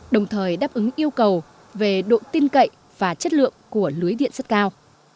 đồng thời đáp ứng yêu cầu về độ tin cậy và chất lượng của lưới điện rất cao